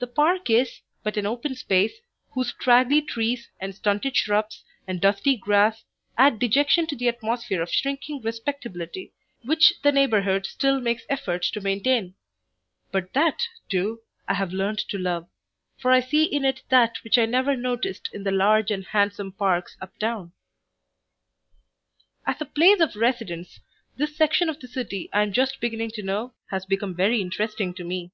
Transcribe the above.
The park is but an open space whose straggly trees and stunted shrubs and dusty grass add dejection to the atmosphere of shrinking respectability which the neighborhood still makes effort to maintain; but that, too, I have learned to love, for I see in it that which I never noticed in the large and handsome parks up town. As a place of residence this section of the city I am just beginning to know has become very interesting to me.